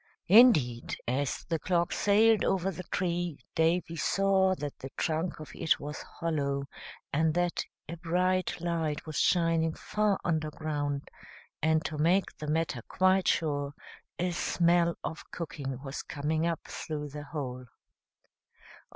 Indeed, as the clock sailed over the tree, Davy saw that the trunk of it was hollow, and that a bright light was shining far underground; and, to make the matter quite sure, a smell of cooking was coming up through the hole.